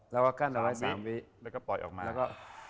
แล้วก็กั้นไว้๓วิแล้วก็ปล่อยออกมา